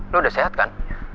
lo udah sehat kan